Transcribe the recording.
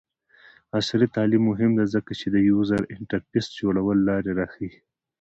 عصري تعلیم مهم دی ځکه چې د یوزر انټرفیس جوړولو لارې ښيي.